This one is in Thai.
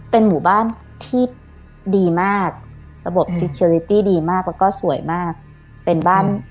เป็นหมู่บ้านที่ดีมากระบบซิเคลิตี้ดีมากแล้วก็สวยมากเป็นบ้าน